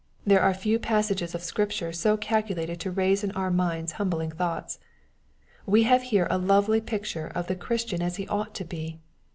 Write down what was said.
Ther are few passages of Scripture so calcu lated to raise in our minds humbling thoughts. We have here a lovely picture of the Christian as he ought to be.